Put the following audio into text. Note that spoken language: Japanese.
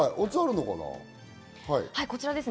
こちらです。